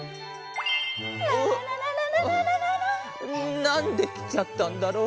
なんできちゃったんだろう。